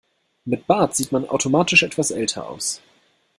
Mit Bart sieht man automatisch etwas älter aus.